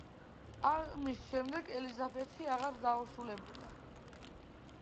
ამის შემდეგ ელიზაბეთი აღარ დაორსულებულა.